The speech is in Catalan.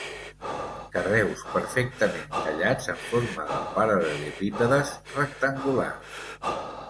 Carreus perfectament tallats en forma de paral·lelepípedes rectangulars.